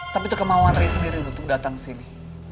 tapi itu kemauan rey sendiri untuk datang kesini